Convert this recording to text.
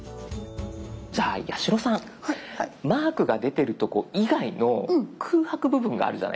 じゃあ八代さんマークが出てるとこ以外の空白部分があるじゃないですか。